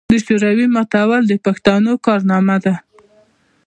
د شوروي ماتول د پښتنو کارنامه ده.